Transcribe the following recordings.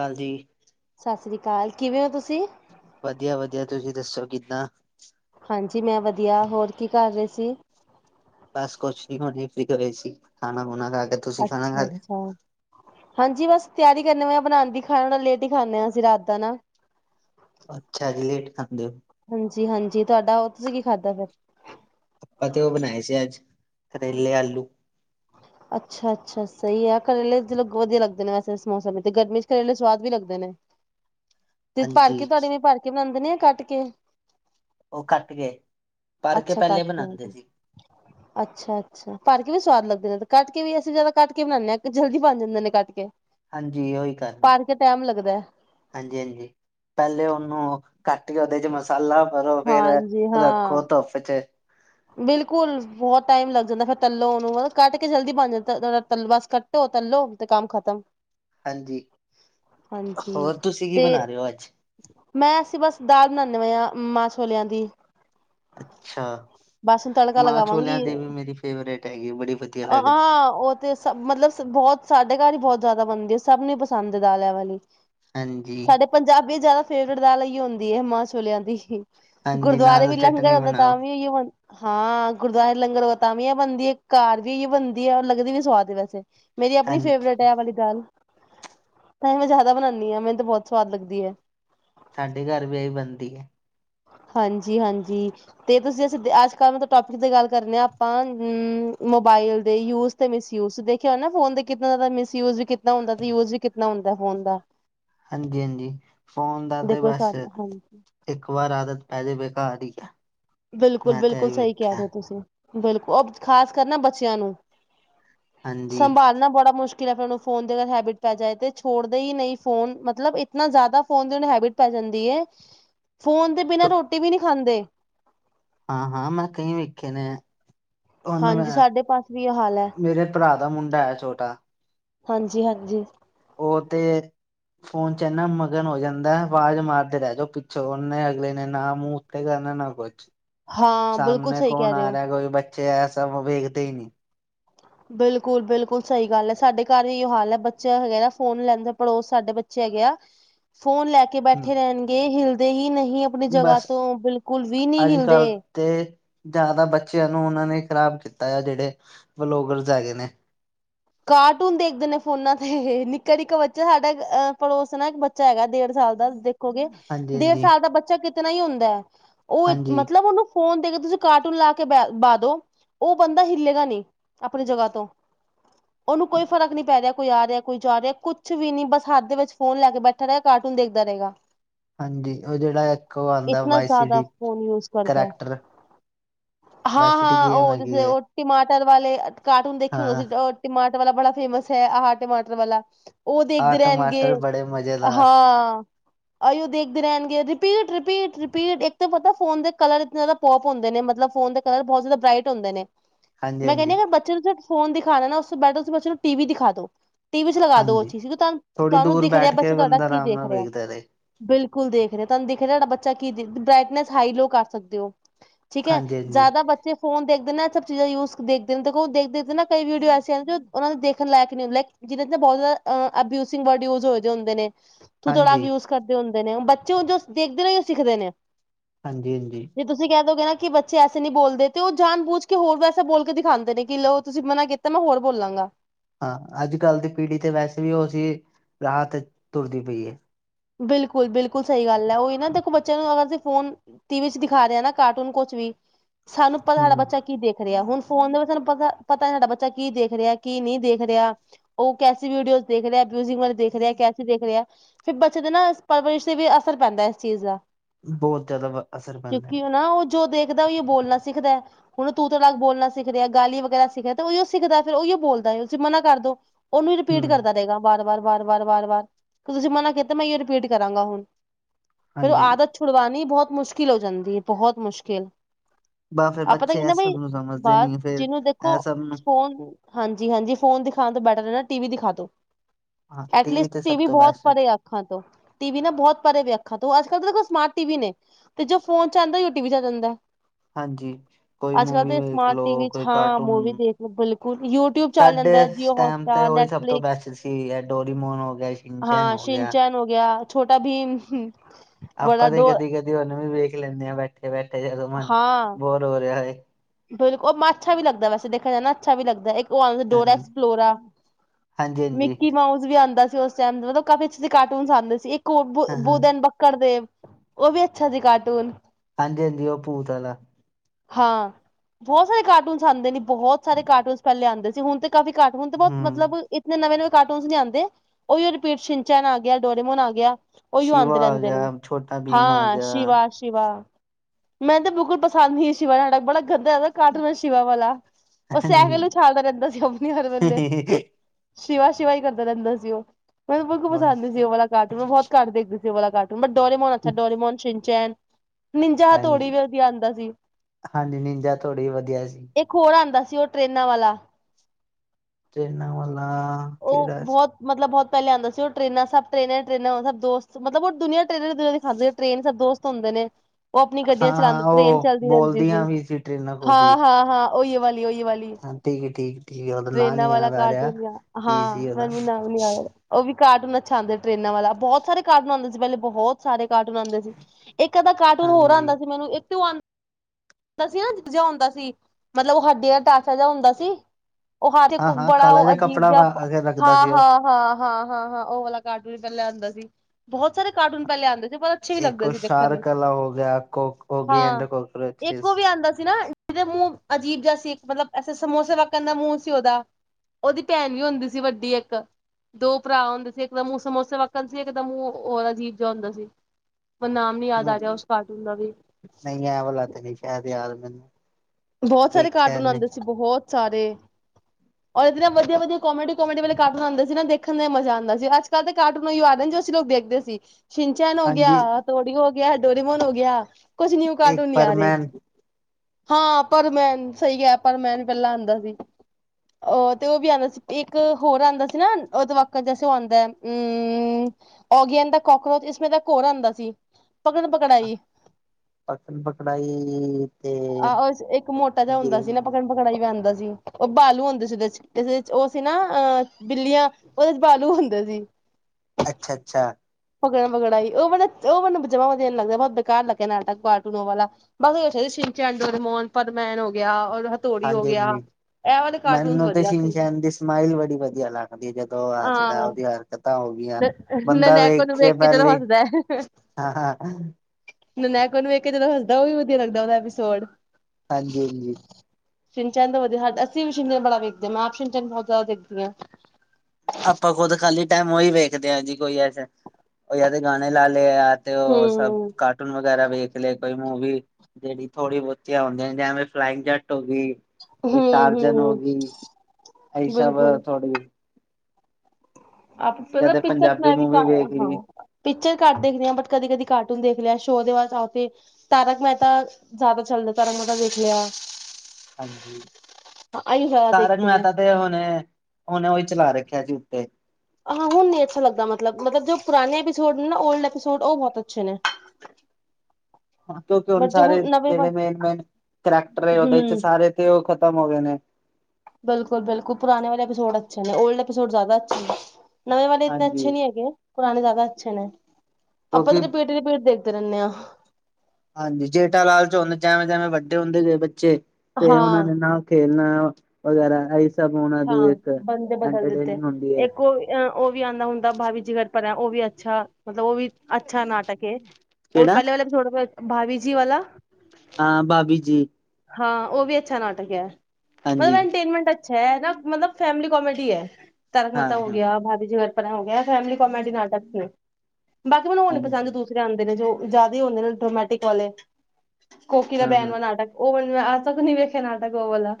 ਹਾਂਜੀ, ਸਤਿ ਸ਼੍ਰੀ ਅਕਾਲ ਕਿਵੇਂ ਹੋ ਤੁਸੀਂ, ਵਧੀਆ- ਵਧੀਆ ਤੁਸੀਂ ਦੱਸੋ ਕਿੱਦਾਂ, ਹਾਂਜੀ ਮੈਂ ਵਧੀਆ ਹੋਰ ਕੀ ਕਰ ਰਹੇ ਸੀ, ਬਸ ਕੋਛ ਨਹੀਂ ਹੁਨੀ ਫਰੀ ਹੋਏ ਸੀ, ਖਾਣਾ- ਖੁਣਾ ਖਾ ਕੇ, ਤੁਸੀਂ ਖਾਣਾ ਅੱਛਾ ਖਾ ਲਿਆ -ਅੱਛਾ, ਹਾਂਜੀ ਬਸ ਤਿਆਰੀ ਕਰਦੇ ਪਏ ਬਣਾਣਦੀ ਖਾਣ ਤਾ ਲੇਟ ਹੀ ਖਾਂਦੇ ਹਾਂ ਅਸੀਂ ਰਾਤ ਦਾ ਨਾ,, ਅੱਛਾ ਜੀ, ਲੇਟ ਖਾਂਦੇ ਹੋ, ਹਾਂਜੀ -ਹਾਂਜੀ ਤੁਹਾਡਾ ਉਹ ਤੁਸੀਂ ਕੀ ਖਾਧਾ ਫਿਰ, ਆਪਾਂ ਤੇ ਉਹ ਬਣਾਏ ਸੀ ਅੱਜ ਕਰੇਲੇ -ਆਲੂ, ਅੱਛਾ -ਅੱਛਾ ਸਹੀ ਹੈ ਕਰੇਲੇ ਤਾ ਚਲੋ ਬੋਤ ਵਧੀਆ ਲੱਗਦੇ ਨੇ ਵੈਸੇ ਇਸ ਮੌਸਮ ਵਿੱਚ ਤੇ ਗਰਮੀ ਚ ਕਰੇਲੇ ਸਵਾਦ ਵੀ ਲੱਗਦੇ ਨੇ, ਤੇ ਭਰ ਹਾਂਜੀ ਕੇ ਤੁਹਾਡੇ ਮੰਮੀ ਭਰ ਕੇ ਬਣਾਉਦੇ ਨੇ ਜਾ ਕੱਟ ਕੇ, ਓਹ ਕੱਟ ਕੇ ਭਰ ਕੇ ਅੱਛਾ ਪਹਿਲੇ ਕੱਟ ਬਣਾਦੇ ਹਾਂਜੀ। ਸੀ, ਅੱਛਾ- ਅੱਛਾ, ਭਰ ਕੇ ਵੀ ਸਵਾਦ ਲੱਗਦੇ ਨੇ, ਤੇ ਕੱਟ ਕੇ ਵੀ ਅਸੀਂ ਜਿਆਦਾ ਕੱਟ ਕੇ ਬਣਾਦੇ ਹਾਂ, ਜਲਦੀ ਬਣ ਜਾਂਦੇ ਨੇ ਕੱਟ ਕੇ, ਹਾਂਜੀ ਉਹੀ ਕਾਰਨ ਭਰ ਕੇ ਟਾਈਮ ਲੱਗਦਾ, ਹਾਂਜੀ -ਹਾਂਜੀ ਪਹਿਲੇ ਉਹਨੂੰ ਕ ਕੱਟ ਕੇ ਉਹਦੇ ਚ ਮਸਾਲਾ ਭਰੋ ਫੇਿਰ ਹਾਂਜੀ ਹਾਂ ਰੱਖੋ ਧੁੱਪ ਚ, ਬਿਲਕੁਲ ਬਹੁਤ ਟਾਈਮ ਲੱਗ ਜਾਂਦਾ, ਫਿਰ ਤਲੋ ਓਹਨੂੰ ਮਤਲਬ ਕੱਟ ਕੇ ਜਲਦੀ ਬਣ ਜਾਂਦਾ ਤ ਬਸ ਕੱਟ, ਧੋ ਤੱਲੋ ਤੇ ਕੰਮ ਖਤਮ, ਹਾਂਜੀ ਹਾਂਜੀ ਹੋਰ ਤੁਸੀਂ ਕੀ ਤੇ ਬਣਾ ਰਹੇ ਹੋ ਅੱਜ ਮੈਂ ਅਸੀਂ ਬਸ ਦਾਲ ਬਣਾਦੇ ਪਏ ਆ, ਮਾਂ ਛੋਲੇਆਂ ਦੀ, ਅੱਛਾ ਬਸ ਹੁਣ ਤੜਕਾ ਮਾਂ ਚਛੋਲਿਆਂ ਲਗਾਵਾਂਗੀ। ਦੀ ਵੀ ਮੇਰੀ ਫੇਵਰੇਟ ਹੈਗੀ ਬੜੀ ਵਧੀਆ ਲੱਗਦੀ, ਹਾਂ ਉਹ [unintelligible] ਤੇ ਸ ਮਤਲਬ ਬਹੁਤ ਸਾਡੇ ਘਰ ਹੀ, ਬਹੁਤ ਜ਼ਿਆਦਾ ਬਣਦੀ ਹੈ, ਸਭ ਨੂੰ ਪਸੰਦ ਹੈ ਦਾਲ ਐ ਵਾਲੀ, ਹਾਂਜੀ, ਸਾਡੇ ਪੰਜਾਬੀ ਜ਼ਿਆਦਾ ਫੇਵਰੇਟ ਦਾਲ ਇ ਹੀ ਹੁੰਦੀ ਹੈ ਮਾਂਛੋਲਿਆਂ ਦੀ ਹਾਂਜੀ ਗੁਰਦੁਆਰੇ ਨਾਲ ਵੀ ਲੰਗਰ ਚਟਨੀ ਹੁੰਦਾ ਤਾਂ ਬਣਾਓ ਵੀ ਹਾਂ ਗੁਰਦੁਆਰੇ ਲੰਗਰ ਵਰਤਾ ਵੀ ਆ ਬਣਦੀ ਹੈ ਕਾਰ ਵੀ ਬਣਦੀ ਹੈ ਲੱਗਦੀ ਵੀ ਸਵਾਦ ਵੈਸੇ, ਮੇਰੀ ਆਪਣੀ ਹਾਂਜੀ ਫੇਵਰਟ ਇਹ ਵਾਲੀ ਦਾਲ ਤਾਂ ਮੈਂ ਜਿਆਦਾ ਬਣਾਨਦੀ ਆ ਮੈਨੂੰ ਤਾਂ ਬਹੁਤ ਸਵਾਦ ਲੱਗਦੀ ਆ ਸਾਡੇ ਘਰ ਵਿ, ਇਹੀ ਬਣਦੀ ਹੈ। ਹਾਂਜੀ-ਹਾਂਜੀ। ਤੇ ਤੁਸੀਂ ਅ ਅੱਜ -ਕੱਲ ਮਤਲਬ ਟੋਪਿਕ ਦੇ ਗੱਲ ਕਰਨੇ ਆ, ਆਪਾਂ ਹਮ ਮੋਬਾਇਲ ਦੇ ਯੂਜ ਤੇ ਮਿਸਯੂਜ, ਦੇਖਿਆ ਹੇ ਨਾ, ਫੋਨ ਤੇ ਕਿਤਨਾ ਜਾਅਦਾ ਮਿਸਯੂਜ ਵਿ ਕਿਤਨਾ ਹੁੰਦਾ ਏ, ਤੇ ਯੂਜ ਵੀ ਕਿਤਨਾ ਹੁੰਦਾ, ਫੋਨ ਦਾ। ਹਾਂਜੀ-ਹਾਂਜੀ ਫੋਨ ਦਾ ਤੇ ਦੇਖੋ ਬਸ, ਸਾਨੂੰ ਹਾਂਜੀ ਇੱਕ ਵਾਰ ਆਦਤ ਪੈ ਜਾਏ ਤੇ ਬੇਕਾਰ ਹੀ ਹੈ। ਬਿਲਕੁਲ -ਬਿਲਕੁਲ ਸਹੀ ਕਹਿਆ ਜੇ ਤੁਸੀਂ, ਬਿਲਕੁਲ ੳ ਖ਼ਾਸ ਕਰ ਨਾ ਬੱਚਿਆਂ ਨੂੰ ਹਾਂਜੀ ਸੰਭਾਲਣਾ ਬੜਾ ਮੁਸ਼ਕਿਲ ਕਿ, ਫਿਰ ਉਹਨੂੰ ਫੋਨ ਅਗਰ ਹੈਬਿਟ ਪੈ ਜਾਏ, ਤੇ ਛੋੜਦੇ ਹੀ ਨਹੀਂ ਫੋਨ, ਮਤਲਬ ਇੰਤਨਾ ਜ਼ਿਆਦਾ ਫੋਨ ਉਹਨੇ ਹੈਬਿਟ ਪੈ ਜਾਂਦੀ ਹੈ ਫੋਨ ਦੇ ਬਿਨਾਂ ਰੋਟੀ ਵੀ ਨਹੀ' ਖਾਂਦੇ। ਹਾਂ-ਹਾਂ ਮੈਂ ਕਈ ਵੇਖੇ ਨੇ ਉਹਨੂੰ ਹਾਂਜੀ ਮੈਂ, ਸਾਡੇ ਪਾਸ ਵੀ ਇਹ ਹਾਲ ਹੈ ਮੇਰੇ ਭਰਾ ਦਾ ਮੁੰਡਾ ਹੈ ਛੋਟਾ ਹਾਂਜੀ- ਹਾਂਜੀ। ਉਹ ਤੇ ਫੋਨ ਚ ਇਹਨਾ ਮਗਨ ਹੋ ਜਾਂਦਾ ਏ, ਆਵਾਜ਼ ਮਾਰਦੇ ਰਹਿ ਜਾਓ ਪਿੱਛੋਂ, ਉਹਨੇ ਅਗਲੇ ਨੇ ਨਾ ਮੂੰਹ ਕਹਿੳ ਨਾ ਕੁਛ, ਹਾਂ ਬਿਲਕੁਲ ਸਾਮਣੇ ਸਹੀ ਕੌਣ ਕਹਿ ਰਹੇ ਆ ਹੋ ਰਿਹਾ ਕੋਈ ਬੱਚੇ ਐ ਸਭ ਵੇਖਦੇ ਹੀ ਨਹੀਂ ਬਿਲਕੁਲ- ਬਿਲਕੁਲ ਸਹੀ ਗੱਲ ਹੈ। ਸਾਡੇ ਘਰ ਹੀ ਹਾਲ ਹੈ, ਬੱਚਾ ਹੈਗਾ ਨਾ ਫੋਨ ਲੈਂਦੇ ਪੜੋਸ ਸਾਡੇ ਬੱਚੇ ਹੈਗੇ ਆ ਫੋਨ ਲੈ ਕੇ ਹਮ ਬੈਠੇ ਰਹਿਣਗੇ, ਹਿਲਦੇ ਹੀ ਨਹੀਂ ਆਪਣੀ ਜਗ੍ਹਾ ਬਸ ਤੋਂ, ਬਿਲਕੁਲ ਵੀ ਨਹੀਂ ਅੱਜ ਹਿਲਦੇ ਕੱਲ੍ਹ ਤੇ ਜ਼ਿਆਦਾ ਬੱਚਿਆਂ ਨੂੰ ਉਹਨਾਂ ਨੇ ਖ਼ਰਾਬ ਕੀਤਾ ਆ ਜਿਹੜੇ, ਵਲੋਗਰਸ ਹੈਗੇ ਨੇ ਕਾਰਟੂਨ ਦੇਖਦੇ ਨੇ ਫੋਨਾ ਤੇ, ਨਿੱਕਾ- ਨਿੱਕਾ ਬੱਚਾ ਸਾਡਾ ਅ ਪੜੋਸ ਨਾ ਇੱਕ ਬੱਚਾ ਹੈਗਾ, ਡੇਢ ਸਾਲ ਦਾ ਦੇ ਖੋਗੇ ਹਾਂਜੀ ਡੇਢ ਹਾਂਜੀ ਸਾਲ ਦਾ ਬੱਚਾ ਕਿਤਨਾ ਹੀ ਹੁੰਦਾ ਹੈ, ਉਹ ਹਾਂਜੀ ਮਤਲਬ ਉਹਨੂੰ ਫੋਨ ਦੇ ਕੇ ਤੁਸੀਂ ਕਾਰਟੂਨ ਲਾ ਕੇ ਬਾਹ ਦੋ, ਉਹ ਬੰਦਾ ਹਿੱਲੇਗਾ ਨੀ, ਆਪਣੀ ਜਗ੍ਹਾ ਤੋਂ ਉਹਨੂੰ ਕੋਈ ਫਰਕ ਨਹੀਂ ਪੈ ਰਿਹਾ, ਕੋਈ ਆ ਰਿਹਾ- ਕੋਈ ਜਾ ਰਿਹਾ ਕੁਛ ਵੀ ਨੀ, ਬਸ ਹੱਥ ਦੇ ਵਿੱਚ ਫੋਨ ਲੈ ਕੇ ਬੈਠਾ ਰਿਹਾ, ਕਾਰਟੂਨ ਦੇਖਦਾ ਰਹੇਗਾ। ਹਾਂਜੀ, ਉਹ ਜਿਹੜਾ ਇੱਕ ਉਹ ਆਉਂਦਾ ਇਤਨਾ ਵਾਈ- ਸੀ- ਜ਼ਿਆਦਾ D character Y C D ਹਾਂ-ਹਾਂ, ਗੇਮ ਉਹ ਹੈਗੀ ਜਿਥੇ ਹੈ ਉਹ ਟਿਮਾਟਰ ਵਾਲੇ, ਕਾਰਟੂਨ ਦੇਖੇ ਜੋ ਹਾਂ ਤੁਸੀ ਟਿਮਾਟਰ ਵਾਲਾ ਬੜਾ ਫੇਮਸ ਹੈ, ਆਹ! ਟਮਾਟਰ ਵਾਲਾ ਉਹ ਆਹ ਦੇਖਦੇ ਰਹਿਣਗੇ, ਟਮਾਟਰ ਬੜੇ ਮਜ਼ੇਦਾਰ ਹਾਂ। ਆਈਓ ਦੇਖਦੇ ਰਹਿਣਗੇ, ਰਿਪੀਟ- ਰਿਪੀਟ- ਰਿਪੀਟ ਇੱਕ ਤੇ ਪਤਾ, ਫੋਨ ਦੇ ਕਲਰ ਇਤਨਾ ਜ਼ਿਆਦਾ ਪੋਪ ਹੁੰਦੇ ਨੇ, ਮਤਲਬ ਫੋਨ ਦੇ ਕਲਰ ਬਹੁਤ ਜ਼ਿਆਦਾ ਬਰਾਈਟ ਹੁੰਦੇ ਨੇ ਹਾਂਜੀ ਮੈਂ ਕਹਿੰਦੀ ਹਾਂਜੀ ਅਗਰ ਬੱਚੇ ਨੂੰ ਫੋਨ ਦਿਖਾਣਾ ਨਾ, ਉਸ ਤੋ ਬੈਟਰ ਬੱਚੇ ਨੂੰ ਟੀ-ਵੀ ਦਿਖਾ ਦੋ ਟੀਵੀ ਚ ਲਗਾ ਦੋ ੳਹ ਹਾਂਜੀ ਚੀਜ਼, ਤੁਹਾਨ ਥੋੜ੍ਹੀ -ਤੁਹਾਨੂੰ ਦੂਰ ਦਿਖ ਰਿਹਾ ਬੈਠ ਕੇ ਬੱਚਾ ਤੁਹਾਡਾ ਬੰਦਾ ਕੀ ਆਰਾਮ ਦੇਖ ਨਾਲ ਰਿਹਾ। ਵੇਖਦਾ ਰਹੇ ਬਿਲਕੁਲ ਦੇਖ ਰਿਆ ਤੁਹਾਨੂੰ ਦਿਖ ਰਿਹਾ ਨਾ ਤੋਡਾ ਬੱਚਾ ਕੀ, ਬ੍ਰਟਨੈਸ ਹਾਈ-ਲੋ ਕਰ ਸਕਦੇ ਹੋ। ਠੀਕ ਹੈ, ਹਾਂਜੀ ਹਾਂਜੀ ਜਿਆਦਾ ਬੱਚੇ ਫੋਨ ਦੇਖਦੇ ਨੇ ਏ ਸਭ ਚੀਜ਼ ਯੂਜ਼ ਦੇਖਦੇ ਦੇਖੋ ਦੇਖ-ਦੇਖ ਕੇ ਨਾ ਕਈ ਵੀਡੀਓ ਏ ਚਲਦੇਓ, ਉਹਨਾ ਦੇਖਣ ਲਾਇਕ ਨੀ ਹੁੰਦੇ, ਲਾਇਕ ਜਿਹਦੇ ਵਿਚ ਨਾ ਬਹੁਤ ਜ਼ਿਆਦਾ ਅ-ਅਬਿਓਸਿਂਗ ਵਰਡ ਯੂਜ ਹੋਏਦੇ ਹੁੰਦੇ ਨੇ ਤੂ-ਤੜਾਕ ਹਾਂਜੀ ਯੂਜ ਕਰਦੇ ਹੁੰਦੇ ਨੇ, ਬੱਚੇ ੳਹ ਜੋ ਦੇਖਦੇ ਨੇ, ਉਹ ਸਿੱਖਦੇ ਨੇ। ਹਾਂਜੀ -ਹਾਂਜੀ। ਤੇ ਤੁਸੀਂ ਕਹਿ ਦੋਗੇ ਨਾ, ਕਿ ਬੱਚੇ ਐਸੇ ਨੀ ਬੋਲਦੇ, ਤੇ ਉਹ ਜਾਣ- ਬੂਝ ਕੇ ਹੋਰ ਵੈਸੇ ਬੋਲ ਕੇ ਦਿਖਾਉਂਦੇ ਨੇ, ਕਿ ਲੋਓ, ਤੁਸੀਂ ਮਨਾ ਕੀ ਤੇ, ਮੈਂ ਹੋਰ ਬੋਲਾਂਗਾ ਹਾਂ, ਅੱਜ-ਕੱਲ੍ਹ ਦੀ ਪੀੜ੍ਹੀ ਤੇ ਵੈਸੇ ਵੀ, ਉਹ ੳਸੀ ਰਾਹ ਤੇ ਤੁਰਦੀ ਪਈ ਹੈ। ਬਿਲਕੁਲ -ਬਿਲਕੁਲ ਸਹੀ ਗੱਲ ਹੈ, ਉਹੀ ਨਾ ਦੇਖੋ ਬੱਚਿਆਂ ਨੂੰ ਅਗਰ ਫੋਨ ਟੀਵੀ ਚ ਦਿਖਾ ਰਿਹਾ ਨਾ, ਕਾਰਟੂਨ ਕੁਛ ਵੀ, ਸਾਨੂੰ ਪਤਾ ਸਾਡਾ ਹਮ ਬੱਚਾ ਕੀ ਦੇਖ ਰਿਹਾ, ਹੁਣ ਫੋਨ ਦੇ ਵਿੱਚ ਸਾਨੂੰ ਪਤਾ, ਪਤਾ ਸਾਡਾ ਬੱਚਾ ਕੀ ਦੇਖ ਰਿਹਾ, ਕੀ ਨਹੀਂ ਦੇਖ ਰਿਹਾ। ਉਹ ਕੈਸੀ ਵੀਡੀਓਜ਼ ਦੇਖ ਰਿਹਾ, ਐਬਿਊਜਿੰਗ ਵਾਲੀ ਦੇਖ ਰਿਹਾ, ਕੈਸੀੇ ਦੇਖ ਰਿਹਾ। ਤੇ ਬੱਚੇ ਦੇ ਨਾ, ਇਸ ਪਰਵਰਿਸ਼ ਤੇ ਵੀ ਅਸਰ ਪੈਂਦਾ ਏ ਇਸ ਚੀਜ਼ ਦਾ। ਬਹੁਤ ਜ਼ਿਆਦਾ ਅਸਰ ਪੈਂਦਾ ਹੈ ਕਿਉਂਕਿ ਉਹ ਨਾ, ਉਹ ਜੋ ਦੇਖਦਾ ਓਹੀ ਉਹ ਬੋਲਣਾ ਸਿੱਖਦਾ। ਹੁਣ ਤੂੰ -ਤੜਾਕ ਬੋਲਣਾ ਸਿੱਖ ਰਿਹਾ ਏ, ਗਾਲੀ ਵਗੈਰਾ ਸਿੱਖ ਰਿਹਾ, ਤੇ ਓਹੀਓ ਸਿੱਖਦਾ, ਫਿਰ ਉਹੀਓ ਬੋਲਦਾ, ਤੁਸੀਂ ਮਨਾ ਕਰਦੋ। ਉਹਨੂੰ ਈ ਰਿਪੀਟ ਹਮ ਕਰਦਾ ਰਹੇਗਾ, ਬਾਰ-ਬਾਰ, ਬਾਰ -ਬਾਰ, ਬਾਰ-ਬਾਰ ਤੁਸੀਂ ਮਨਾ ਤੇ ਮੈਂ ਏ ਰਿਪੀਟ ਕਰਾਂਗਾ ਹੁਣ, ਫੇਰ ਉਹ ਹਾਂਜੀ ਆਦਤ ਛੁੜਵਾਨੀ ਬਹੁਤ ਮੁਸ਼ਕਿਲ ਹੋ ਜਾਂਦੀ ਹੈ, ਬਹੁਤ ਮੁਸ਼ਕਿਲ। ਬਸ ਫਿਰ ਆਪਾਂ ਤਾਂ ਬੱਚੇ ਇਹ ਕਹਿੰਦੇ ਸਭ ਬਈ, ਨੂੰ ਸਮਝਦੇ ਬਸ ਨੀ ਫਿਰ ਜਿਹਨੂੰ ਦੇਖੋ ਇਹ ਸਭ ਨੂੰ ਫੋਨ ਹਾਂਜੀ ਹਾਂਜੀ ਫ਼ੋਨ ਦਿਖਾਉਣ ਤੋਂ ਬੈਟਰ ਨਾ ਟੀ ਵੀ ਦਿਖਾ ਦੋ। ਹਾਂ ਟੀਵੀ ਐਟਲੀਸਟ ਤੇ ਟੀ ਸਭ ਵੀ ਤੋਂ ਬਹੁਤ ਬੈਸਟ ਹੈ ਪਰੇ ਆ। ਅੱਖਾਂ ਤੋਂ, ਟੀ ਵੀ ਨਾ ਬਹੁਤ ਭਰੇ ਵੇ ਅੱਖਾਂ ਤੋਂ ਅੱਜ ਕੱਲ੍ਹ ਤਾਂ ਦੇਖੋ ਸਮਾਰਟ ਟੀ ਵੀ ਨੇ। ਤੇ ਜੋ ਫੋਨ ਚ ਆਂਦਾ ਉਹ ਟੀ ਵੀ ਚ ਆ ਜਾਂਦਾ ਹਾਂਜੀ ਕੋਈ ਅੱਜ ਕੱਲ੍ਹ ਮੂਵੀ ਤੇ ਵੇਖ ਸਮਾਰਟ ਲੋ ਟੀਵ ਚ ਕੋਈ ਹਾਂ ਮੂਵੀ ਕਾਰਟੂਨ ਦੇਖ ਲਓ ਬਿਲਕੁਲ ਯੂਟਿਊਬ ਚੱਲ ਸਾਡੇ ਜਾਂਦਾ ਜੀਓ ਟਾਈਮ ਤੇ ਹੋਟਸਟਾਰ ਉਹੀ ਸਭ ਤੋਂ ਨੈਟਫਲਿਕਸ ਬੈਸਟ ਸੀ ਡੋਰੀਮੋਨ ਹੋ ਗਿਆ ਹੋ ਗਿਆ ਸਿਨਚੈਨ ਹੋ ਗਿਆ ਛੋਟਾ ਬੀਮ ਆਪਾਂ ਤੇ ਕਦੀ ਕਦੀ ਉਹਨੂੰ ਵੀ ਵੇਖ ਲੈਂਨੇ ਹਾਂ ਬੈਠੇ ਬੈਠੇ ਜਦੋਂ ਮਨ ਬੋਰ ਹੋ ਰਿਹਾ ਹੋਏ। ਬਿਲਕੁ ਉਹ ਮ ਅੱਛਾ ਵੀ ਲੱਗਦਾ ਵੈਸੇ ਦੇਖਿਆ ਜਾਏ ਅੱਛਾ ਵੀ ਲੱਗਦਾ ਇੱਕ ਉਹ ਆਦਾ ਸੀ ਡੋਰਾ ਹਾਂਜੀ ਐਕਸਪਲੋਰਾ, ਹਾਂਜੀ ਹਾਂਜੀ ਮਿਕੀ ਮਾਊਸ ਵੀ ਆਉਂਦਾ ਸੀ ਉਸ ਚੰਦ ਪਤਾ ਕਾਫੀ ਅੱਛੇ ਅੱਛੇ ਕਾਰਟੂਨ ਆਉਂਦੇ ਸੀ ਇੱਕ ਉਹ ਹਾਂ ਹਾਂ ਬੂਧ ਐਂਡ ਬ ਕੜਦੇਵ ਉਹ ਵੀ ਅੱਛਾ ਸੀ ਕਾਰਟੂਨ ਹਾਂਜੀ ਹਾਂਜੀ ਉਹ ਭੂਤ ਆਲਾ ਹਾਂ ਬਹੁਤ ਸਾਰੇ ਕਾਰਟੂਨਸ ਆਉਂਦੇ ਨੇ, ਬਹੁਤ ਸਾਰੇ ਕਾਰਟੂਨਸ ਪਹਿਲੇ ਆਉਂਦੇ ਸੀ ਹੁਣ ਤੇ ਕਾਫੀ ਕਾਰਟੂਨ ਤੇ ਬਹੁਤ ਮਤਲਬ ਹਮ ਇਤਨੇ ਨਵੇਂ ਨਵੇਂ ਕਾਰਟੋਨਸ ਨਹੀਂ ਆਂਦੇ, ਉਹੀ ਰਿਪੀਟ ਚ ਸ਼ਿਨਸੈਨ ਆ ਗਿਆ ਡੋਰੇਮੋਨ ਆ ਗਿਆ। ਉਹੀ ਆਉਂਦੇ ਸ਼ਿਵਾ ਆ ਰਹਿੰਦੇ ਨੇ ਗਿਆ ਛੋਟਾ ਭੀਮ ਆ ਹਾਂ ਗਿਆ ਸ਼ਿਵਾਸ ਸ਼ਿਵਾ, ਮੈਂ ਤਾਂ ਬਿਲਕੁਲ ਪਸੰਦ ਨਹੀਂ ਸ਼ਿਵਾ ਨਾਟਕ ਬੜਾ ਗੰਦਾ ਹੈਗਾ। ਕਾਰਟੂਨ ਆ ਸਿਵਾ ਵਾਲਾ, ਉਹ ਹਾਂਜੀ ਸਾਇਕਲ ਉਛਾਲਦਾ ਰਹਿੰਦਾ ਚੌਵੀ ਹਰ ਵੇਲੇ ਸ਼ਿਵਾ ਸ਼ਿਵਾ ਹੀ ਕਰਦਾ ਰਹਿੰਦਾ ਸੀ ਉਹ, ਮੈਨੂੰ ਬਿਲਕੁ ਪਸੰਦ ਬਸ ਨਹੀਂ ਸੀ ਉਹ ਵਾਲਾ ਕਾਰਟੂਨ ਮੈਂ ਬਹੁਤ ਘੱਟ ਦੇਖਦੀ ਸੀ ਉਹ ਵਾਲਾ ਕਾਰਾਟ ਮਨ ਡੋਰੇਮੋਨ ਅੱਛਾ ਡੋਰੇਮੋਨ ਛਿਨਚੈਨ ਨਿੰਜਾ ਹਾਂਜੀ ਹਥੌੜੀ ਵੀ ਵਦੀ ਆਉਂਦਾ ਸੀ। ਹਾਂਜੀ ਨਿੰਜਾ ਹਥੋੜੀ ਵੀ ਵਧੀਆ ਸੀ। ਇੱਕ ਹੋਰ ਆਉਂਦਾ ਸੀ ਉਹ ਟ੍ਰਰੇਨਾਂ ਵਾਲਾ ਟਰੇਨਾਂ ਵਾਲਾ ਉਹ ਕਿਹੜਾ ਸੀ ਬਹੁਤ ਮਤਲਬ ਬਹੁਤ ਪਹਿਲੇ ਆਦਾ ਸੀ, ਉਹ ਟਰੇਨਾਂ ਸਭ ਟਰੇਨਾਂ ਟਰੇਨਾਂ ਸਬ ਦੋਸਤ, ਮਤਲਬ ਓਹ ਦੁਨੀਆਂ ਟਰੇਨਾਂ ਦੀ ਤਰਾਂ ਦਿਖਾਂਦੇ ਸੀ ਟਰੇਨ ਸਭ ਦੋਸਤ ਘੁੰਮਦੇ ਨੇ ਉਹ ਆਪਣੀ ਗੱਡੀਆਂ ਹਾਂ-ਹਾਂ ਚਲਾਦੇ, ਟ੍ਰੇਨ ਉਹ ਚੱਲਦੀ ਰਹਿੰਦੀ ਬੋਲਦੀਆਂ ਸੀ, ਵੀ ਟ੍ਰੇਨਾਂ ਖੁਦ ਹਾਂ ਹੀ। ਹਾਂ ਹਾਂ ਉਹੀਓ ਵਾਲੀ, ਉਹੀਓ ਵਾਲੀ ਹਾਂ ਠੀਕ ਠੀਕ ਠੀਕ, ਉਹਦਾ ਨਾਂ ਟ੍ਰੇਨਾਂ ਨੀ ਵਾਲਾ ਯਾਦ ਆ ਰਿਹਾ। ਕਾਰਟੂਨ ਕੀ ਹਾਂ, ਸੀ ਉਹਦਾ ਮੈਨੂੰ ਵੀ ਨਾਂ ਨਹੀਂ ਆ ਰਿਹਾ ਉਹ ਵੀ ਕਾਟਨ ਅੱਛਾ ਆਦਾ, ਟ੍ਰਰੇਨਾਂ ਵਾਲਾ ਬਹੁਤ ਸਾਰੇ ਕਾਰਟੂਨ ਆਦੇ ਸੀ ਪਹਿਲੇ ਬਹੁਤ ਸਾਰੇ ਕਾਰਟੂਨ ਆਉਂਦੇ ਸੀ। ਇੱਕ ਅੱਧ ਕਾਰਟੂਨ ਹੋਰ ਹਾਂਜੀ ਆਉਂਦਾ ਸੀ ਮੈਨੂੰ ਇੱਕ ਆਂ ਹੁੰਦਾ ਸੀ ਨਾ ਜੋ ਆਦਾ ਸੀ, ਮਤਲਬ ਉਹ ਹਾਡੇ ਤੱਕ ਸਜ਼ਾ ਹੁੰਦਾ ਸੀ ਉਹ ਹਥ ਇੱਕ ਹਾਂ-ਹਾਂ ਬੜਾ ਕਾਲਾ ਉਹ ਅਜੀਬ ਕੱਪੜਾ ਜਿਹਾ ਅ ਰੱਖਦਾ ਹਾਂ ਸੀ ਉਹ। ਹਾਂ ਹਾਂ ਹਾਂ ਹਾਂ ਹਾਂ ਉਹ ਵਾਲਾ ਕਾਰਟੂਨ ਵੀ ਪਹਿਲਾ ਆਉਂਦਾ ਸੀ ਬਹੁਤ ਸਾਰੇ ਕਾਰਟੂਨ ਪਹਿਲੇ ਆਉਂਦੇ ਸੀ ਪਰ ਅੱਛੇ ਹੀ ਇੱਕ ਲੱਗਦੇ ਉਹ ਸੀ ਦੇਖਣ ਨੂੰ ਸ਼ਾਰਕ ਵਾਲਾ ਹੋ ਗਿਆ ਕੋਗੀ ਹਾਂ ਐਂਡ ਇੱਕੋ ਕੋਕਰੋਚਿਸ। ਓਵੀ ਆਂਦਾ ਸੀ ਨਾ ਜਿਹਦੇ ਮੂੰਹ ਅਜੀਬ ਜਿਆ ਸੀ ਇੱਕ ਮਤਲਬ ਸਮੋਸੇ ਵਕੱਣ ਦਾ ਮੂੰਹ ਸੀ ਓਦਾ, ਉਹਦੀ ਭੈਣ ਵੀ ਹੁੰਦੀ ਸੀ ਸੀ ਵੱਡੀ ਇੱਕ। ਦੋ ਭਰਾ ਹੁੰਦੇ ਸੀ ਇੱਕ ਦਾ ਮੂੰਹ ਸਮੋਸੇ ਵੱਕਣ ਸੀ ਇਕ ਦਾ ਮੁੰਹ ਔਰ ਅਜੀਬ ਜਿਆ ਹੁੰਦਾ ਸੀ। ਪਰ ਨਾਮ ਨੀ ਯਾਦ ਆ ਰਿਆ ਉਸ ਕਾਰਟੂਨ ਦਾ ਵੀ। ਨਈਂ ਐ ਵਾਲਾ ਤੇ ਨ੍ਈ ਸ਼ਾਇਦ ਯਾਦ ਮੈਨੂੰ। ਬਹੁਤ ਸਾਰੇ ਵੇਖਿਆ ਕਾਰਟੂਨ ਨੀ। ਆਂਦੇ ਸੀ ਬਹੁਤ ਸਾਰੇ, ਔਰ ਇਹਦੇ ਨਾਲ ਵਧੀਆ-ਵਧੀਆ ਕੋਮੇਡੀ ਕਮੇਡੀ ਵੇਲੇ ਕਾਰਟੂਨ ਆਂਦੇ ਸੀ ਨਾ ਦੇਖਣ ਦਾ ਮਜ਼ਾ ਆਂਦਾ ਸੀ ਅੱਜ-ਕੱਲ ਦੇ ਕਾਰਟੂਨ ਉਹੀ ਓ ਆਗੇ ਨੇ ਜੋ ਅਸੀਂ ਲੋਕ ਦੇਖਦੇ ਸੀ। ਸ਼ਿਨਚੈਨ ਹੋ ਗਿਆ, ਹਾਂਜੀ ਹਤੋੜੀ ਹੋ ਗਿਆ, ਡੋਰੀਮੋਨ ਹੋ ਗਿਆ ਕੁਛ ਨਿਊ ਇੱਕ ਕਾਰਟੂਨ ਨੀ ਆ ਰੇ। ਪਰਮੈਨ ਹਾਂ ਪਰ ਮੈਂਨ, ਸਹੀ ਕਿਆ ਪਰ ਮੈਂਨ ਪਹਿਲਾਂ ਆਂਦਾ ਸੀ। ਉਹ ਤੇ ਉਹ ਵੀ ਆਂਦਾ ਸੀ ਇੱਕ ਹੋਰ ਆਂਦਾ ਸੀ ਨਾ ਉਹ ਦੇਵਾਕ ਜੈਸੇ ਉਹ ਆਂਦਾ ਅਂ ਓਗੀ ਐਂਡ ਦਾ ਕਾੱਕਰੋਚ ਇਸ ਸਮੇ ਦਾ ਘੋਰ ਆਂਦਾ ਸੀ ਪਕਨ ਪਕੜਾਈ। ਪਕਨ ਪਕੜਾਈ। ਤੇ ਆਹੋ ਉਹਸ ਇੱਕ ਮੋਟਾ ਜਿਹਾ ਹੁੰਦਾ ਸੀ ਨਾ ਗੇਮ ਪਕੜਣ ਪਕੜਾਈ ਵੀ ਆਂਦਾ ਸੀ। ਉਹ ਬਾਲੂ ਹੁੰਦੇ ਸੀ ਉਹਦੇ ਚ ਜਿਦੇ ਚ ਉਹ ਸੀ ਨਾ ਅਹ ਬਿੱਲੀਆਂ ਉਹਦੇ ਚ ਬਾਲੂ ਹੁੰਦੇ ਸੀ। ਅੱਛਾ ਅੱਛਾ। ਫਗੜਨ ਵਗੜਾਈ ਉਹ ਮਦਾ ਉਹ ਮੈਨੂੰ ਜਮਾ ਵਧੀਆ ਲੱਗਦਾ ਬਹੁਤ ਬੇਕਾਰ ਲੱਗਿਆ ਨਾਲ ਤਾਂ ਕਾਰਟੂਨ ਉਹ ਵਾਲਾ। ਬਸ [unintelligible] ਸਿ਼ਨਚੈਨ ਡੋਰੇਮੋਨ ਪਦਮੈਨ ਹੋ ਗਿਆ ਔਰ ਹਥੋੜੀ ਹੋ ਗਿਆ। ਹਾਂਜੀ-ਹਾਂਜੀ। ਇਹ ਵਾਲੇ ਕਾਰਟੂਨਸ ਮੈਨੂੰ ਤੇ ਵਧੀਆ ਸੀ ਸ਼ੀਨਚੈਨ ਦੀ ਸਮਾਈਲ ਬੜੀ ਵਧੀਆ ਲੱਗਦੀ ਐ ਜਦੋਂ ਆਚਦਾ ਹਾਂ ਉਹਦੀਆਂ ਰਕਤਾਂ ਹੋ ਗਈਆਂ ਨ ਬੰਦਾ ਨਨੈਕੋ ਨੂੰ ਵੇਖੇ ਵੇਖ ਕੇ ਜਦੋਂ ਪਹਿਲੇ ਹੱਸਦਾ ਹੈ ਨਨੈਕੋ ਨੂੰ ਵੇਖ ਕੇ ਜਦੋਂ ਹੱਸਦਾ ਉਹ ਵੀ ਵਧੀਆ ਲੱਗਦਾ ਉਹਦਾ ਐਪੀਸੋਡ। ਹਾਂਜੀ ਹਾਂਜੀ। ਸੀ਼ਨਚੈਨ ਤੋਂ ਵਧੀਆ ਸਾਡੇ ਅਸੀਂ ਵੀ ਸਿਨਚੈਨ ਬੜਾ ਵੇਖਦੇ ਆਂ, ਮੈਂ ਆਪ ਸਿੰਨਚੈਨ ਬਹੁਤ ਜ਼ਿਆਦਾ ਦੇਖਦੀ ਆਂ। ਆਪਾਂ ਖੁਦ ਖਾਲੀ ਟਾਈਮ ਉਹੀ ਵੇਖਦੇ ਆਂ ਜੀ ਕੋਈ ਐਸੇ ਉਹ ਯਾਂਦੇ ਗਾਣੇ ਲਾ ਲਏ ਯ ਤੇ ਉਹ ਸਭ ਹੂੰ। ਕਾਰਟੂਨ ਵਗੈਰਾ ਵੇਖ ਲਏ ਕੋਈ ਮੂਵੀ ਜਿਹੜੀ ਥੋੜ੍ਹੀ ਬਹੁਤੀਆਂ ਹੁੰਦੀਆਂ ਨੇ ਜੇਵੇਂ ਫਲਾਇੰਗ ਜੱਟ ਹੋਗੀ। ਇੱਕ ਟਾਰਜਨ ਹੋ ਹੂੰ-ਹੂੰ ਗਈ ਇਹ ਸਭ ਬਿਲਕੁਲ ਥੋੜੀ ਆਪ [unintelligible] ਕਦੇ ਪਿਕੱਚਰ ਪੰਜਾਬੀ ਮੈਂ ਵੀ ਕ ਮੂਵੀ ਵੇਖ ਲਈ ਹਾਂ। ਪਿਕਚਰ ਘੱਟ ਦੇਖਦੇ ਆਂ ਬਟ ਕਦੇ-ਕਦੇ ਕਾਰਟੂਨ ਦੇਖ ਲਿਆ ਸ਼ੋਅ ਦੇ ਬਾਅਦ ਆ ਕੇ। ਤਾਰਕ ਮਹਿਤਾ ਜ਼ਿਆਦਾ ਚੱਲਦਾ ਤਾਰਕ ਮੇਹਤਾ ਵੇਖ ਲਿਆ। ਹਾਂਜੀ, ਆਹੀ ਜ਼ਿਆਦਾ ਤਾਰਗ ਦੇਖਦੇ ਆ। ਮਹਿਤਾ ਤੇ ਹੁਣ ਹੁਣ ਉਹੀ ਚਲਾ ਰੱਖਿਆ ਜੀ ਉੱਤੇ। ਹਾਂ ਹੁਣ ਨੀ ਅੱਛਾ ਲੱਗਦਾ ਮਤਲਬ, ਮਤਲਬ ਜੋ ਪੁਰਾਣੇ ਐਪੀਸੋਡ ਨੇਂ ਨਾ ਓਲਡ ਐਪੀਸੋਡ ਉਹ ਬਹੁਤ ਅੱਛੇ ਨੇ। ਹਾਂ ਕਿਉਂਕਿ ਹੁਣ ਬਟ ਜੋ ਸਾਰੇ ਨਵੇਂ ਜਿਹੜੇ ਮੇਨ ਮੇਨ ਕਰੈਕਟਰ ਉਹਦੇ ਚ ਹੂੰ ਸਾਰੇ ਤੇ ਉਹ ਖ਼ਤਮ ਹੋ ਗਏ ਨੇ। ਬਿਲਕੁਲ ਬਿਲਕੁਲ ਪੁਰਾਣੇੇ ਵਾਲੇ ਐਪੀਸੋਡ ਅਛੇ ਨੇ ਓਲਡ ਐਪੀਸੋਡ ਜ਼ਿਆਦਾ ਅੱਛੇ ਨੇ। ਨਵੇਂ ਵਾਲੇ ਇਤਨੇ ਹਾਂਜੀ ਅੱਛੇ ਨਈਂ ਹੈਗੇ, ਪੁਰਾਣੇ ਜ਼ਿਆਦਾ ਅੱਛੇ ਨੇ ਆਪਾਂ ਕਿਉਂਕਿ ਤਾਂ ਰਿਪੀਟ-ਰਿਪੀਟ ਦੇਖ ਦੇ ਰੇਣੇ ਆਂ। ਹਾਂਜੀ ਜੇਠਾ ਲਾਲ ਚ ਹੁਣ ਜੈਵੇਂ ਜੈਵੇਂ ਵੱਡੇ ਹੁੰਦੇ ਗਏ ਬੱਚੇ ਤੇ ਉਹਨਾਂ ਹਾਂ ਨੇ ਨਾਲ ਖੇਲਣਾ ਵਗੈਰਾ ਇਹ ਸਭ ਉਹਨਾਂ ਦੀ ਹਾਂ ਇੱਕ ਐਂਟਰਟੇਨਿੰਗ ਹੁੰਦੀ ਐ। ਅ ਉਹ ਵੀ ਆਂਦਾ ਹੁੰਦਾ ਭਾਵੀ ਜੀ ਗਰ ਪਰ ਹੈਂ ਉਹ ਵੀ ਅੱਛਾ, ਮਤਲਬ ਉਹ ਵੀ ਅੱਛਾ ਨਾਟਕ ਐ। ਉਹ ਵੀ ਕਿਹੜਾ ਪਹਿਲੇ ਵਾਲਾ ਏਪੀਸੋਡ ਭਾਵੀ ਜੀ ਵਾਲਾ ਹਾਂ ਭਾਬੀ ਜੀ। ਹਾਂ ਉਹ ਵੀ ਅੱਛਾ ਨਾਟਕ ਐ ਹਾਂਜੀ [unintelligible] ਏਂਟਟੇਨਮੈਂਟ ਅੱਛਾ ਐਨਾ ਮਤਲਬ ਫੈਮਿਲੀ ਕੋਮੇਡੀ ਐ ਤਾਰਕ ਹਾਂ ਮਹਿਤਾ ਹੋ ਹਾਂ ਗਿਆ ਭਾਭੀ ਜੀ ਘਰ ਹੋ ਗਿਆ ਫੈਮਲੀ ਕੋਮੇਡੀ ਨਾਟਕ ਨੇ ਬਾਕੀ ਮੈਨੂੰ ਹੋਨ ਨੀਂ ਪਸੰਦ ਹਾਂਜੀ ਦੂਸ ਆਦੇ ਨੇ ਜੋ ਜਾਦਾ ਹੁੰਦੇ ਨੇ ਡਰੋਮੈਟਿਕ ਵਾਲੇ ਕੋਕੀ ਦਾ ਹਾਂ ਬੈਨ ਹਾਂ ਬਣਾ ਤਾ ਹੁਣ ਅਜ ਤਕ ਨੀ ਵੇਖਿਆ ਨਾਟਕ ਉਹ ਵਾਲਾ।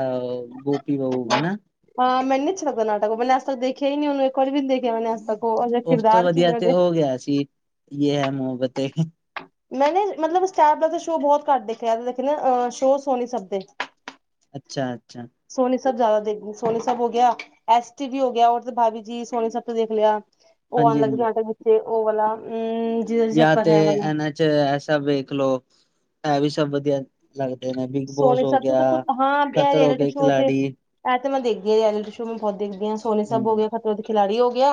ਆਹੋ ਗੋਪੀ ਬਊ ਹਨਾ। ਹਾਂ ਮੈਂ ਨੀ ਅੱਛਾ ਲੱਗਦਾ ਨਾਟਕ ਮੈਂ ਅੱਜ ਤੱਕ ਦੇਖਿਆ ਹੀ ਨੀ ਉਹੂੰ ਇੱਕ ਵਾਰੀ ਵੀ ਨੀ ਦੇਖਿਆ ਮਨੇ ਅਜ ਤੱਕ। ਉਹ ਉਹਦੇ ਉਸ ਤੋਂ ਕਿਰਦਾਰ ਕੀ ਵਧੀਆ ਨੇ ਤੇ ਉਹਦੇ ਉਹ ਗਿਆ ਸੀ ਯੇ ਹੈ ਮੁਹੱਬਤੇ। ਮੈਂ ਨਾ ਮਤਲਬ ਸਟਾਰ ਪਲੱਸ ਦੇ ਸ਼ੋਅ ਬੋਹਤ ਘੱਟ ਦੇਖਨੀਆ ਦੇਖਣੀ ਆ ਸ਼ੋ ਸੋਨੀ ਸਭਦੇ। [inaudible] ਅੱਛਾ-ਅੱਛਾ ਸੋਨੀ ਸਭ ਜਾਦਾ ਦੇਖਨੀ ਸੋਨੀ ਸਭ ਹੋ ਗਿਆ। ਐਸ ਟੀ ਵੀ ਹੋ ਗਿਆ ਮਤਲਬ ਭਾਬੀ ਜੀ ਸੋਨੀ ਸਭ ਤੇ ਦੇਖ ਲਿਆ। ਉਹ ਆਉਣ ਹਾਂਜੀ ਲੱਗ ਜਾ ਹਾਂਜੀ ਆਟ ਵਿੱਚੇ ਉਹ ਵਾਲਾ‌ ਯਾ ਤੇ ਇਹਨਾਂ ਚ ਐਸਾ ਵੇਖ ਲੋ ਇਹ ਵੀ ਸਭ ਵਧੀਆ ਲੱਗਦੇ ਨੇ ਬਿਗ ਬੋਸ ਹੋ ਗਿਆ, ਖਤਰੋਂ ਕੇ ਖਿਲਾੜੀ। ਇਹ ਤੇ ਮੈਂ ਦੇਖਦੀ ਹਾਂ ਰੀਲਿਟੀ ਸ਼ੋ ਮੈਂ ਬਹੁਤ ਦੇਖਦੀ ਹਾਂ ਸੋਨੀ ਸਭ ਹੋ ਹਮ ਗਿਆ ਖਤਰੋਂ ਕੇ ਖਿਲਾੜੀ ਹੋ ਗਿਆ।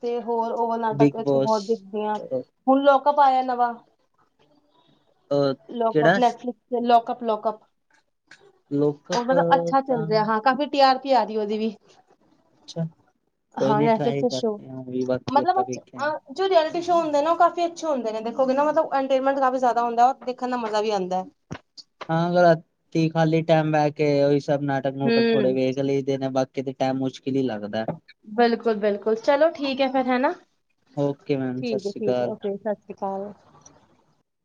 ਤੇ ਹੋਰ ਓ ਵਾਲਾ ਨਾਟਕ ਬਿਗ ਇਥੇ ਬੋਸ ਬੋਹਤ ਦੇਖਦੀਆ ਅ ਹੁਣ ਲੌਕਅਪ ਆਯਾ ਨਵਾ ਅ, ਕਿਹੜਾ ਲੌਕਅਪ ਨੈਟਫਲਿਕਸ ਚ ਲੌਕਅਪ ਲੌਕ ਉਹ ਲੋਕਪ ਮਤਲਬ ਅੱਛਾ ਚੱਲ ਤਾਂ ਰਿਹਾ ਹਾਂ ਕਾਫੀ ਟੀ ਆਰ ਪੀ ਆ ਰਹੀ ਉਹਦੀ ਵੀ। ਅੱਛਾ ਕੋਈ ਹਾਂ ਨੀ ਨੈਟਫਲਿਕਸ ਟਰਾਈ ਤੇ ਸ਼ੋ ਕਰਦੇ ਹਾਂ ਵੀ ਬਾਕੀ ਮਤਲਬ ਅ ਆਪਾਂ ਵੇਖਾਂਗੇ ਜੋ ਰਐਲਿਟੀ ਸ਼ੋਅ ਹੁੰਦੇ ਨੇ ਉਹ ਕਾਫੀ ਅੱਛੇ ਹੁੰਦੇ ਨੇ ਦੇਖੋਗੇ ਨਾ ਐਂਟਰਟੇਨਮੈਂਟ ਕਾਫੀ ਜਾਦਾ ਹੁੰਦਾ ਦੇਖਣ ਦਾ ਮਾ ਵੀ ਆਂਦਾ। ਹਾਂ ਰਾਤੀ ਖਾਲੀ ਟੈਮ ਬਹਿ ਕੇ ਉਹੀ ਸਭ ਨਾਟਕ-ਨੂਟਕ ਥੋੜੇ ਹੂੰ ਵੇਖ ਲਈਦੇ ਨੇ ਬਾ ਕਿਤੇ ਟੈਮ ਮੁਸ਼ਕਿਲ ਹੀ ਲੱਗਦਾ। ਬਿਲਕੁਲ-ਬਿਲਕੁਲ ਚਲੋ ਠੀਕ ਹੈ ਫਿਰ ਹੈਨਾ, ਓਕੇ ਮੈਮ ਸਤਿ ਠੀਕ ਸ਼੍ਰੀ ਐ-ਠੀਕ ਅਕਾਲ ਐ ਓਕੇ ਸਸ ਸ੍ਰੀ ਕਾਲ।